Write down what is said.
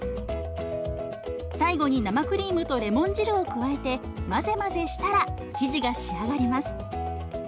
最後に生クリームとレモン汁を加えて混ぜ混ぜしたら生地が仕上がります。